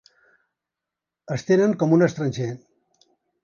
Es tenen com un estranger.